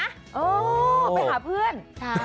ไปหาเพื่อน